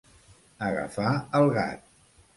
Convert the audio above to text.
Agafar el gat.